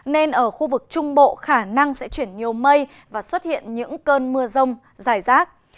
nên ở khu vực trung bộ khả năng sẽ chuyển nhiều mây và xuất hiện những cơn mưa rông dài rác